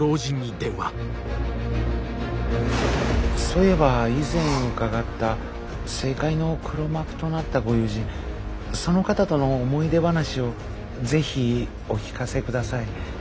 そういえば以前伺った政界の黒幕となったご友人その方との思い出話を是非お聞かせください。